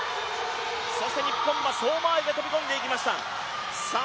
そして日本は相馬あいが飛び込んでいきました。